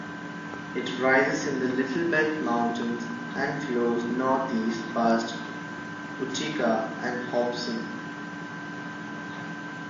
It rises in the Little Belt Mountains and flows northeast past Utica and Hobson.